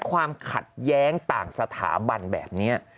ความขัดแย้งต่างสถาบันแบบนี้